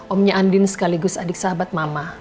omnya andin sekaligus adik sahabat mama